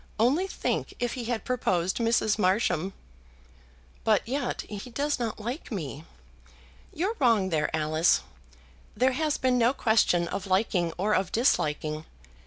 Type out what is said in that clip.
Only think if he had proposed Mrs. Marsham!" "But yet he does not like me." "You're wrong there, Alice. There has been no question of liking or of disliking.